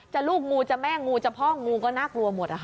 จะลูกงูจะแม่งูจะพ่องงูก็น่ากลัวหมด